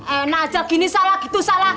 enak aja gini salah gitu salah